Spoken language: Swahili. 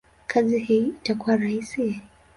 kazi hii itakuwa rahisi?